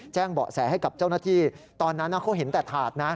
เบาะแสให้กับเจ้าหน้าที่ตอนนั้นเขาเห็นแต่ถาดนะ